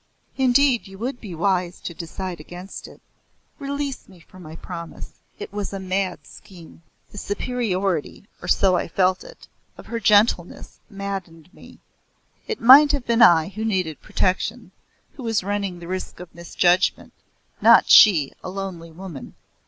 "Indeed you would be wise to decide against it. Release me from my promise. It was a mad scheme." The superiority or so I felt it of her gentleness maddened me. It might have been I who needed protection, who was running the risk of misjudgment not she, a lonely woman.